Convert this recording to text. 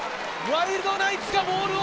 ワイルドナイツボール！